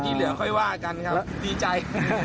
เหลือค่อยว่ากันครับดีใจ